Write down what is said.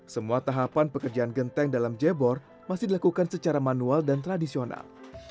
semua tahapan pekerjaan genteng dalam jebor masih dilakukan secara manual dan tradisional